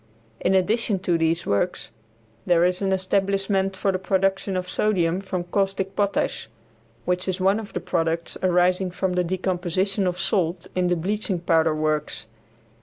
In addition to these works, there is an establishment for the production of sodium from caustic potash, which is one of the products arising from the decomposition of salt in the bleaching powder works.